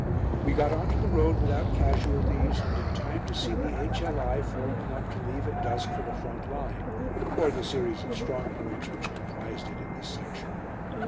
We got on to the road without casualties and in time to see the H.L.I. forming up to leave at dusk for the front line, or the series of strong points which comprised it in this section.